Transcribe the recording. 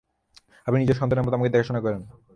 আপনি নিজের সন্তানের মতো আমাকে দেখাশোনা করেন।